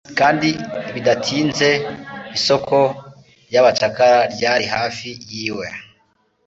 kandi bidatinze isoko ry'abacakara ryari hafi y'iwe,